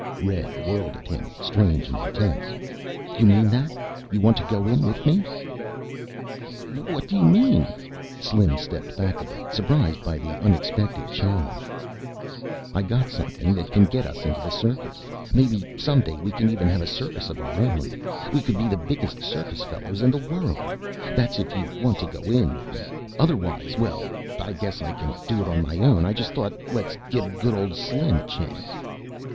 Red whirled at him, strange and intense. "You meant that? You want to go in with me?" "What do you mean?" Slim stepped back a bit, surprised by the unexpected challenge. "I got something that can get us into the circus. Maybe someday we can even have a circus of our own. We could be the biggest circus fellows in the world. That's if you want to go in with me. Otherwise Well, I guess I can do it on my own. I just thought: Let's give good old Slim a chance."